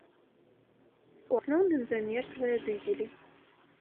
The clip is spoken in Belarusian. У асноўным замерзлыя дызелі.